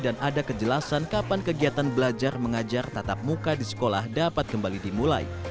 dan ada kejelasan kapan kegiatan belajar mengajar tatap muka di sekolah dapat kembali dimulai